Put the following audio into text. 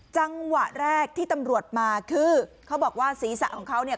จังหวะแรกที่ตำรวจมาคือเขาบอกว่าศีรษะของเขาเนี่ย